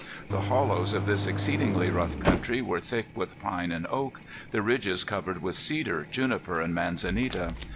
The hollows of this exceedingly rough country were thick with pine and oak, the ridges covered with cedar, juniper, and manzanita.